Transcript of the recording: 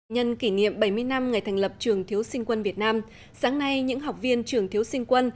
nhân kỷ niệm bảy mươi năm ngày thành lập trường thiếu sinh quân việt nam sáng nay những học viên trường thiếu sinh quân